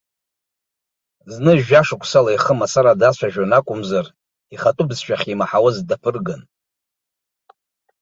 Зны, жәашықәсала, ихы мацара дацәажәон акәымзар, ихатәы бызшәа ахьимаҳауаз даԥырган.